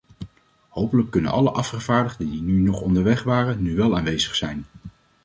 Hopelijk kunnen alle afgevaardigden die nog onderweg waren nu wel aanwezig zijn.